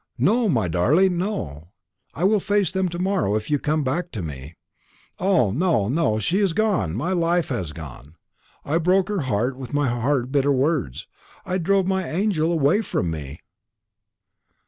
No, my darling, no; I will face them to morrow, if you will come back to me. O no, no, she is gone; my life has gone: I broke her heart with my hard bitter words; I drove my angel away from me."